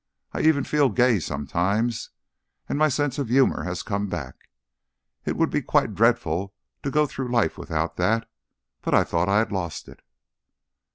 I even feel gay sometimes, and my sense of humour has come back. It would be quite dreadful to go through life without that, but I thought I had lost it."